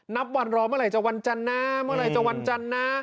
นับวันรอเมื่อไหร่จะวันจันทร์นะ